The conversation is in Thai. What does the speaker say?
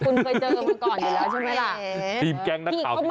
คุณเคยเจอกับคนก่อนอยู่แล้วใช่ไหมล่ะ